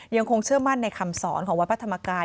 ยังคงเชื่อมั่นในคำสอนของวัดพระธรรมกาย